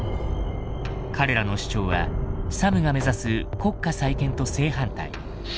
彼らの主張はサムが目指す国家再建と正反対。